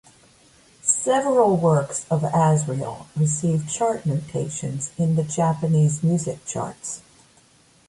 Several works of Asriel received chart notations in the Japanese music charts.